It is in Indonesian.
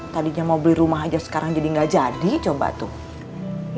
tadinya mau beli rumah aja sekarang jadi nggak jadi coba tuh